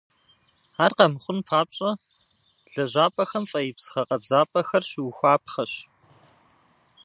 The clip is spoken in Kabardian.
Ар къэмыхъун папщӏэ, лэжьапӏэхэм фӏеипс гъэкъэбзапӏэхэр щыухуапхъэщ.